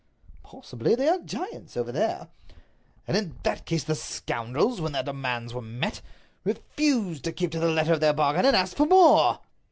"Possibly; they are giants over there." "And in that case the scoundrels, when their demands were met, refused to keep to the letter of their bargain and asked for more."